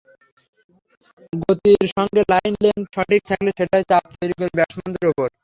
গতির সঙ্গে লাইন-লেন্থ সঠিক থাকলে সেটাই চাপ তৈরি করে ব্যাটসম্যানদের ওপর।